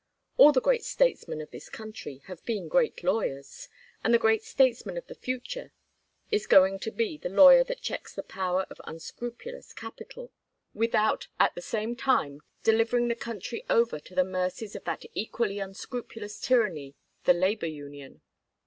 All the great statesmen of this country have been great lawyers, and the great statesman of the future is going to be the lawyer that checks the power of unscrupulous capital, without at the same time delivering the country over to the mercies of that equally unscrupulous tyranny the labor union.